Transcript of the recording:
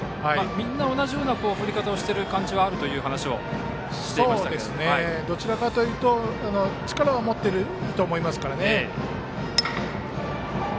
みんな同じような振り方をしているという話がありましたがどちらかというと力は持っていると思いますからね。